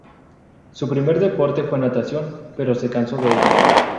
Su primer deporte fue natación, pero se cansó de ella.